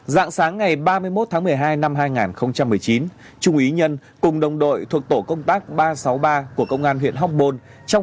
dạng sáng ngày ba mươi một tháng một mươi hai năm hai nghìn một mươi chín trung ý nhân cùng đồng đội thuộc tổ công tác ba trăm sáu mươi ba của công an huyện hóc bôn